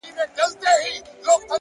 • زموږه دوو زړونه دي تل د محبت مخته وي ـ